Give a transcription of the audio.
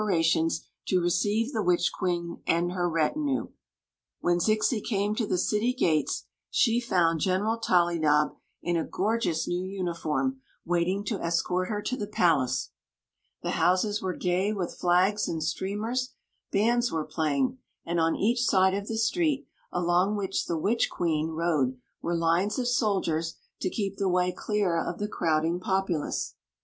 arations to receive the witch queen and her retinue. When Zixi came to the city gates she found Gen Queen Zixi of Ix; or, the eral Tollydob, in a gorgeous new uniform, waiting to escort her to the palace. The houses were gay with flags and streamers; bands were playing; and on each side of the street along which the witch queen rode were lines of soldiers to keep the way clear of the crowding populace.